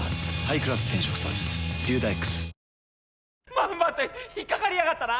まんまと引っ掛かりやがったな。